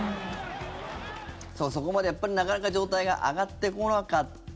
そこまでなかなか状態が上がってこなかった。